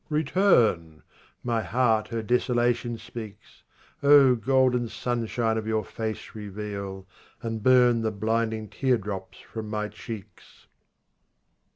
Return ! my heart her desolation speaks. Oh, golden sunshine of your face reveal, And burn the blinding tear drops from my cheeks